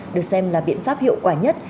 được xem là biện pháp hiệu quả nhất